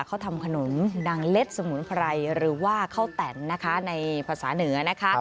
เขาทำขนมนางเล็ดสมุนไพรหรือว่าข้าวแต่นนะคะในภาษาเหนือนะคะ